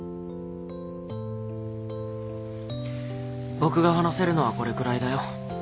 僕が話せるのはこれくらいだよ。